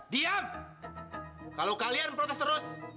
diam kalau kalian protes terus